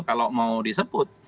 kalau mau disebut